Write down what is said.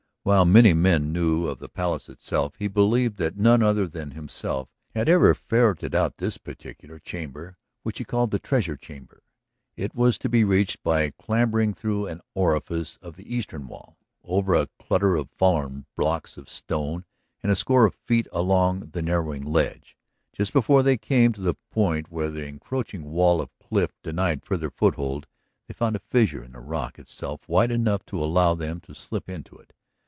While many men knew of the Palace itself, he believed that none other than himself had ever ferreted out this particular chamber which he called the Treasure Chamber. It was to be reached by clambering through an orifice of the eastern wall, over a clutter of fallen blocks of stone and a score of feet along the narrowing ledge. Just before they came to the point where the encroaching wall of cliff denied farther foothold they found a fissure in the rock itself wide enough to allow them to slip into it.